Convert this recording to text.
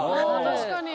確かに。